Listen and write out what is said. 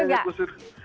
nggak harus kritik juga